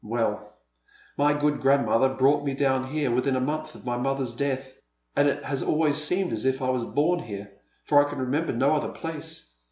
Well, my good grandmother brought mo down here within a month of my mother's death, and it has always seemed as if I was born here, for I can remember no other place.